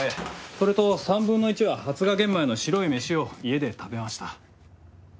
それと３分の１は発芽玄米の白い飯を家で食べました。